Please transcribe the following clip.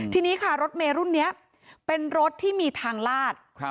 ทีนี้ค่ะรถเมรุ่นนี้เป็นรถที่มีทางลาด